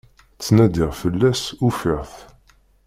Ttnadiɣ fell-as, ufiɣ-it.